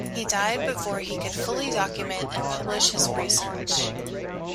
He died before he could fully document and publish his research.